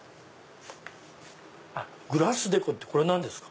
「グラスデコ」ってこれ何ですか？